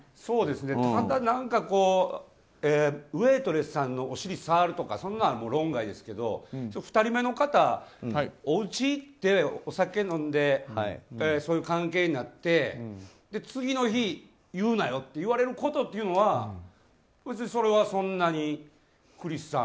ただ何かウェートレスさんのお尻を触るとかは論外ですけど、２人目の方おうちへ行ってお酒飲んでそういう関係になって次の日、言うなよって言われることというのはそれはそんなにクリスさん。